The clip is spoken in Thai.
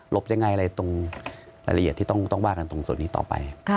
บยังไงอะไรตรงรายละเอียดที่ต้องว่ากันตรงส่วนนี้ต่อไป